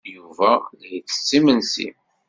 Yuba la ittett imensi.